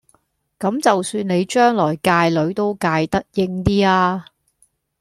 咁就算你將來界女都界得應啲呀